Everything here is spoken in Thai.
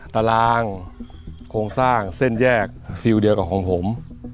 ตารางโครงสร้างเส้นแยกฟิลเดียวกับของผม